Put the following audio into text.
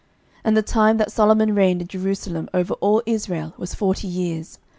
11:011:042 And the time that Solomon reigned in Jerusalem over all Israel was forty years.